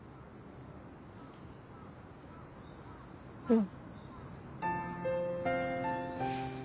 うん。